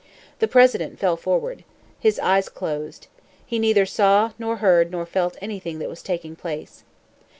The President fell forward. His eyes closed. He neither saw, nor heard, nor felt anything that was taking place.